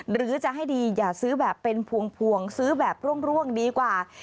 หรือจะให้ดีอย่าซื้อแบบเป็นพวงซื้อแบบร่วงดีกว่า